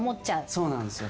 そうなんですよ。